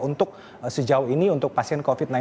untuk sejauh ini untuk pasien covid sembilan belas